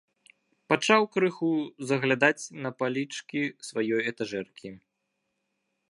Пачаў крыху заглядаць на палічкі сваёй этажэркі.